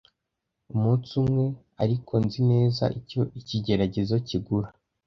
umunsi umwe ariko nzi neza icyo ikigeragezo kigura